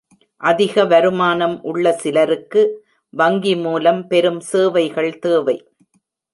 அதிக வருமானம் உள்ள சிலருக்கு வங்கி மூலம் பெரும் சேவைகள் தேவை.